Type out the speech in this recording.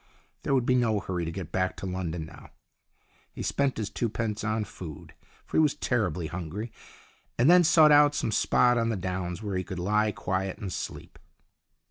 There would be no hurry to get back to London now. He spent his twopence on food, for he was terribly hungry, and then sought out some spot on the downs where he could lie quiet and sleep.